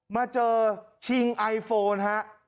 มาเจอชิงไอโฟนฮะ